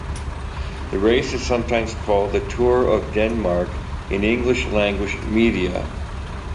The race is sometimes called the Tour of Denmark in English language media.